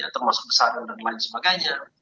termasuk besaran dan lain lain semuanya